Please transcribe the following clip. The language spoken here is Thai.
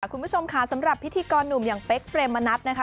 คุณผู้ชมค่ะสำหรับพิธีกรหนุ่มอย่างเป๊กเปรมมะนัดนะคะ